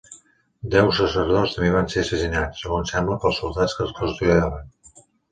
Deu sacerdots també van ser assassinats, segons sembla, pels soldats que els custodiaven.